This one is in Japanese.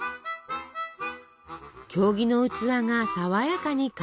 経木の器が爽やかに香るバニラ。